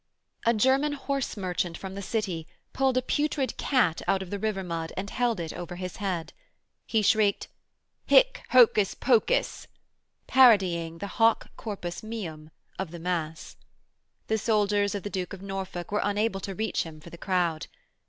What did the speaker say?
A German horse merchant from the City pulled a putrid cat out of the river mud and held it over his head. He shrieked: 'Hic hocus pocus,' parodying the 'Hoc corpus meum' of the Mass. The soldiers of the Duke of Norfolk were unable to reach him for the crowd.